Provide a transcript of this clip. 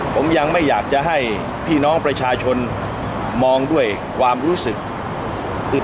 ผมยังไม่อยากจะให้พี่น้องประชาชนมองด้วยความรู้สึกอึด